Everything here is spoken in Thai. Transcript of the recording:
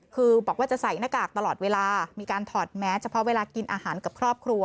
คือบอกว่าจะใส่หน้ากากตลอดเวลามีการถอดแมสเฉพาะเวลากินอาหารกับครอบครัว